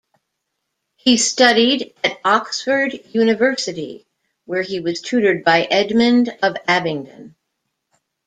He studied at Oxford University where he was tutored by Edmund of Abingdon.